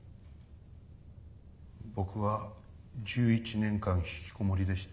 僕は１１年間ひきこもりでした。